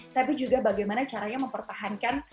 tapi juga bagaimana caranya mempertahankan